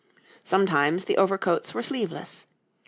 Sometimes the overcoats were sleeveless.